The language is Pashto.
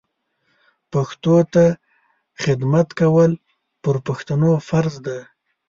پښتو ته خدمت کول پر پښتنو فرض ده